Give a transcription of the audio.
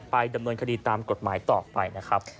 ดำเนินคดีตามกฎหมายต่อไปนะครับ